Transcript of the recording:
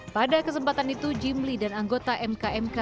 pada kesempatan itu jimli dan anggota mkmk